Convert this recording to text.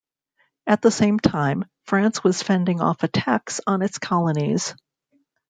At the same time, France was fending off attacks on its colonies.